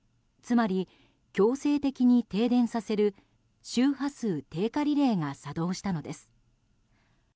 つまり、強制的に停電させる周波数低下リレーが作動したのです。